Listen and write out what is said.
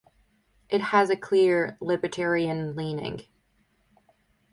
It has a clear libertarian leaning.